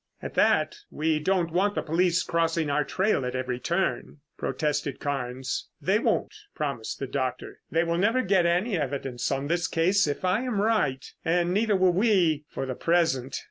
"At that, we don't want the police crossing our trail at every turn," protested Carnes. "They won't," promised the doctor. "They will never get any evidence on this case, if I am right, and neither will we for the present.